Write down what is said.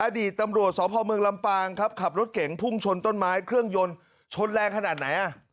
อดีตตำรวจสพเมืองลำปางครับขับรถเก่งพุ่งชนต้นไม้เครื่องยนต์ชนแรงขนาดไหนอ่ะ